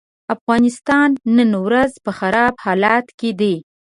افغانستان نن ورځ په خراب حالت کې دی.